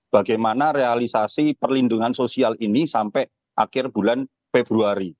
bagaimana realisasi perlindungan sosial ini sampai akhir bulan februari